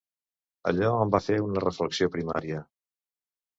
Allò em va fer una reflexió primària.